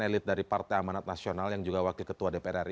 elit dari partai amanat nasional yang juga wakil ketua dpr ri